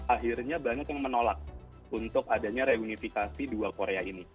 akhirnya banyak yang menolak untuk adanya reunifikasi dua korea ini